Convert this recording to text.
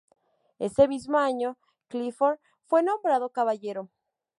Ese mismo año Clifford fue nombrado caballero.